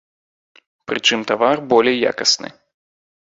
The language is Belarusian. Прычым тавар болей якасны.